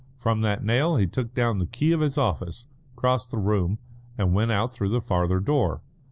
From that nail he took down the key of his office, crossed the room, and went out through the farther door.